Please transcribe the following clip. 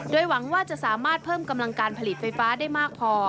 โดยหวังว่าจะสามารถเพิ่มกำลังการผลิตไฟฟ้าได้มากพอ